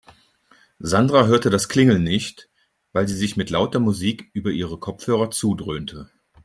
Sandra hörte das Klingeln nicht, weil sie sich mit lauter Musik über ihre Kopfhörer zudröhnte.